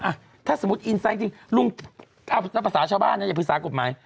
อ่ะถ้าสมมุติอินแซงที่ลุงเอ้านักภาษาชาวบ้านเนี่ยอย่าภิกษากฎหมาย